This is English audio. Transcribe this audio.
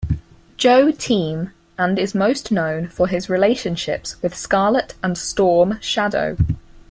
Joe Team, and is most known for his relationships with Scarlett and Storm Shadow.